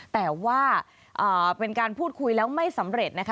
แต่ว่าเป็นการพูดคุยแล้วไม่สำเร็จนะคะ